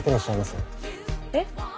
えっ？